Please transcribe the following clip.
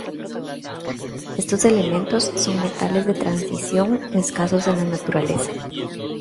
Estos elementos son metales de transición escasos en la naturaleza.